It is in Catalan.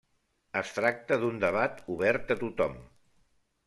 Es tracta d'un debat obert a tothom.